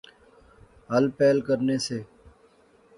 ہل پہل کرنے سے